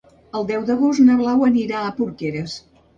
El deu d'agost na Blau anirà a Porqueres.